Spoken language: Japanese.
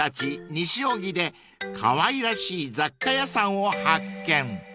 西荻でかわいらしい雑貨屋さんを発見］